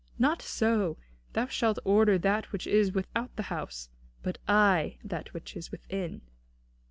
"Not so; thou shalt order that which is without the house, but I that which is within."